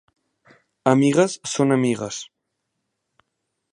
Amigues són amigues.